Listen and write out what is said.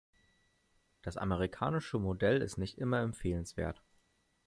Das amerikanische Modell ist nicht immer empfehlenswert.